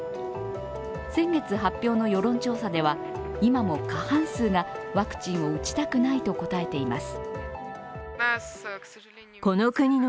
先月発表の世論調査では今も過半数がワクチンを打ちたくないと答えています。